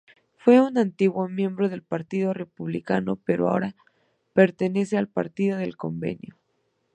Fue un antiguo miembro del Partido Republicano pero ahora pertenece al Partido del Convenio.